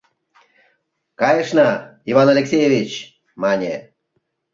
— Кайышна, Иван Алексеевич! — мане.